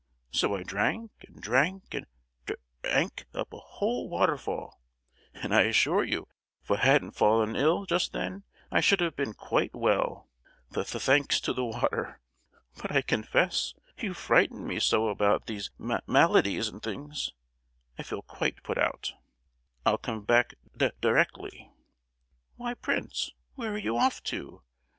So I drank, and drank, and dra—ank up a whole waterfall; and I assure you if I hadn't fallen ill just then I should have been quite well, th—thanks to the water! But, I confess, you've frightened me so about these ma—maladies and things, I feel quite put out. I'll come back d—directly!" "Why, prince, where are you off to?"